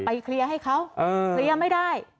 เคลียร์ให้เขาเคลียร์ไม่ได้